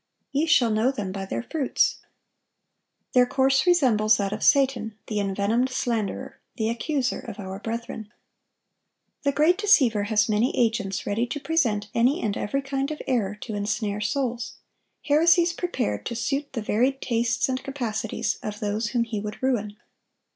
"Ye shall know them by their fruits."(915) Their course resembles that of Satan, the envenomed slanderer, "the accuser of our brethren."(916) The great deceiver has many agents ready to present any and every kind of error to ensnare souls,—heresies prepared to suit the varied tastes and capacities of those whom he would ruin.